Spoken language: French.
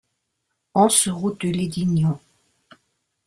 onze route de Lédignan